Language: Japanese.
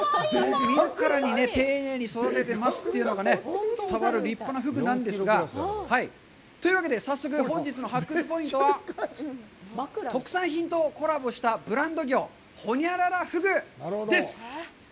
見るからに丁寧に育ててますというのが伝わる立派なフグなんですが。というわけで、早速、本日の発掘ポイントは、「特産品とコラボしたブランド魚！○○○フグ」です！